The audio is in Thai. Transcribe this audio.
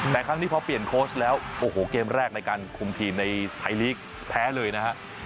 แต่ครั้งนี้พอเปลี่ยนโค้ชแล้วโอ้โหเกมแรกในการคุมทีมในไทยลีกแพ้เลยนะฮะ